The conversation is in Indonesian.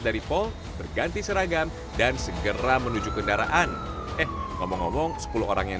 dari pol berganti seragam dan segera menuju kendaraan eh ngomong ngomong sepuluh orang yang